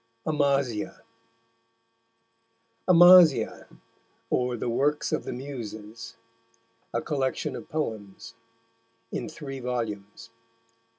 AMASIA AMASIA: _or, The Works of the Muses. A Collection of Poems. In three volumes.